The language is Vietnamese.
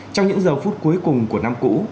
trong những giờ phút cuối cùng của năm cũ